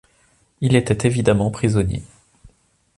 Il était évidemment prisonnier.